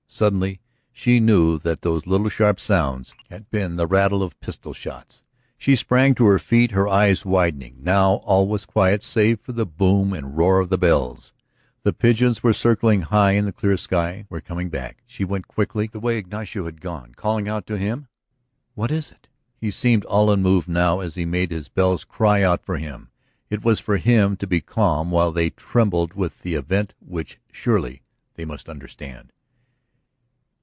... Suddenly she knew that those little sharp sounds had been the rattle of pistol shots. She sprang to her feet, her eyes widening. Now all was quiet save for the boom and roar of the bells. The pigeons were circling high in the clear sky, were coming back. ... She went quickly the way Ignacio had gone, calling out to him: "What is it?" He seemed all unmoved now as he made his bells cry out for him; it was for him to be calm while they trembled with the event which surely they must understand.